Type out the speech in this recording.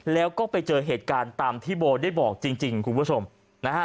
แล้วก็ไปเจอเหตุการณ์ตามที่โบได้บอกจริงจริงคุณผู้ชมนะฮะ